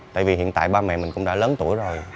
tại vì hiện tại ba mẹ mình cũng đã lớn tuổi rồi